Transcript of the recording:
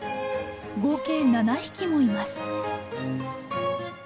合計７匹もいます。